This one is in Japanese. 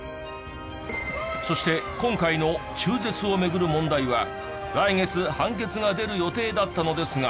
そして今回の中絶を巡る問題は来月判決が出る予定だったのですが。